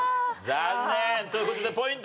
残念。という事でポイントは。